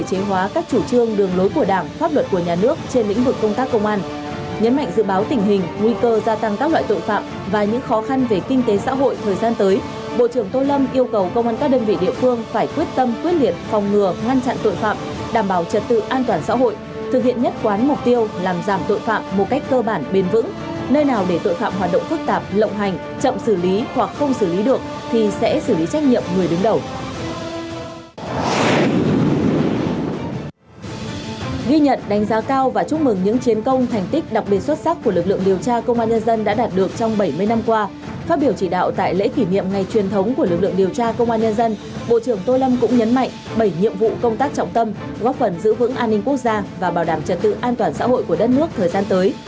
bộ trưởng tô lâm cũng nhấn mạnh bảy nhiệm vụ công tác trọng tâm góp phần giữ vững an ninh quốc gia và bảo đảm trật tự an toàn xã hội của đất nước thời gian tới